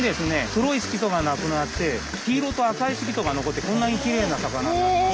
黒い色素がなくなって黄色と赤い色素が残ってこんなにきれいな魚になります。